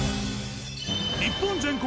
日本全国